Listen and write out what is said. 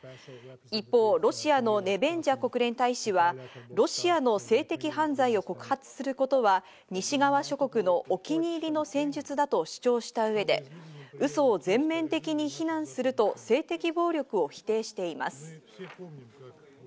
一方、ロシアのネベンジャ国連大使はロシアの性的犯罪を告発することは西側諸国のお気に入りの戦術だと主張した上でウソを全面的に非難すると性的暴力を否定しています。